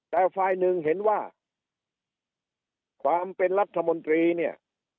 แต่ฝ่ายหนึ่งเห็นว่าความเป็นรัฐมนตรีเนี่ย